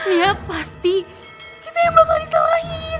iya pasti kita yang bakal disalahin